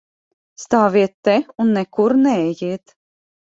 Stāviet te un nekur neejiet!